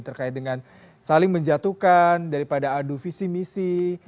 terkait dengan saling menjatuhkan daripada adu visi misi